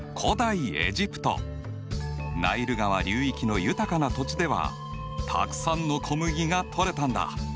ナイル川流域の豊かな土地ではたくさんの小麦がとれたんだ。